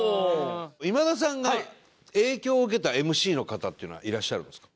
今田さんが影響を受けたＭＣの方っていうのはいらっしゃるんですか？